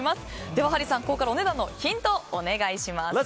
では、ハリーさんお値段のヒントをお願いします。